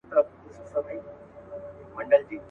کله غل کله مُلا سي کله شیخ کله بلا سي.